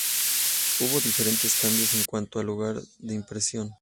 Hubo diferentes cambios en cuanto al lugar de impresión.